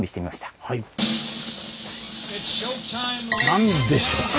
何でしょうか。